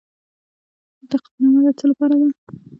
تقدیرنامه د څه لپاره ده؟